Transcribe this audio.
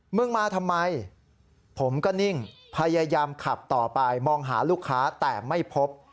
มึงมาทำไมผมก็นิ่งพยายามขับต่อไปมองหาลูกค้าแต่ไม่พบ